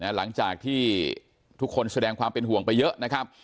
หลังจากที่ทุกคนแสดงความเป็นห่วงไปเยอะนะครับ